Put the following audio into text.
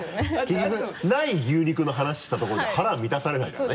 結局ない牛肉の話したところで腹は満たされないからね。